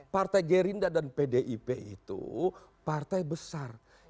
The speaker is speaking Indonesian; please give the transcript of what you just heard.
partai gerindra dan pdip itu partai besar